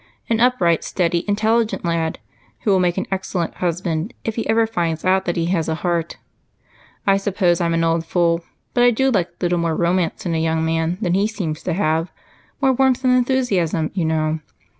"An upright, steady, intelligent lad who will make an excellent husband if he ever finds out that he has a heart. I suppose I'm an old fool, but I do like a little more romance in a young man than he seems to have more warmth and enthusiasm, you know.